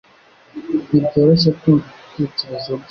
Ntibyoroshye kumva ibitekerezo bye